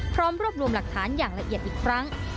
พร้อมรวบรวมหลักฐานอย่างละเอียดอีกครั้ง